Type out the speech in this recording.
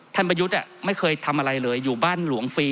ประยุทธ์ไม่เคยทำอะไรเลยอยู่บ้านหลวงฟรี